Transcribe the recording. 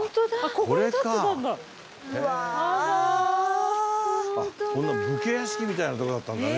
こんな武家屋敷みたいなとこだったんだね。